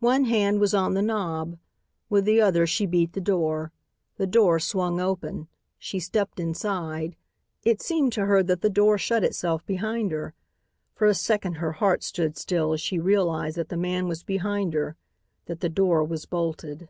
One hand was on the knob. With the other she beat the door. The door swung open. She stepped inside. It seemed to her that the door shut itself behind her. For a second her heart stood still as she realized that the man was behind her; that the door was bolted.